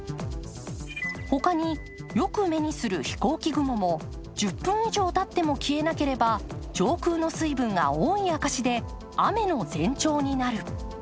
他に、よく目にする飛行機雲も１０分以上たっても消えなければ上空の水分が多い証しで雨の前兆になる。